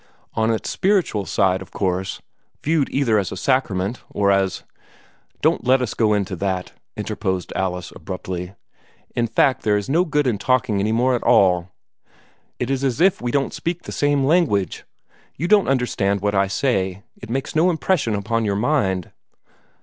On its spiritual side, of course, viewed either as a sacrament, or as " "Don't let us go into that," interposed Alice, abruptly. "In fact, there is no good in talking any more at all. It is as if we didn't speak the same language. You don't understand what I say; it makes no impression upon your mind."